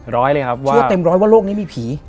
ร้อยเลยครับเชื่อเต็มร้อยว่าโลกนี้มีผี